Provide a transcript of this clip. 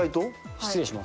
失礼します。